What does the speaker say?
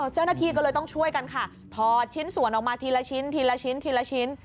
เจ้าหน้าที่ก็เลยต้องช่วยกันค่ะถอดชิ้นส่วนออกมาทีละชิ้นทีละชิ้นทีละชิ้น